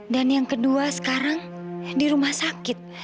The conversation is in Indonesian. dan yang kedua sekarang di rumah sakit